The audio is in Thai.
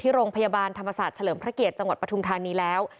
โรงพยาบาลธรรมศาสตร์เฉลิมพระเกียรติจังหวัดปทุมธานีแล้ว